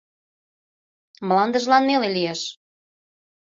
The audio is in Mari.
Мландыжлан неле лиеш.